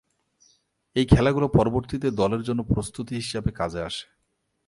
এই খেলাগুলো পরবর্তীতে দলের জন্য প্রস্তুতি হিসাবে কাজে আসে।